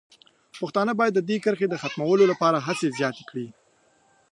پښتانه باید د دې کرښې د ختمولو لپاره هڅې زیاتې کړي.